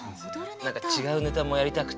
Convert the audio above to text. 何かちがうネタもやりたくて。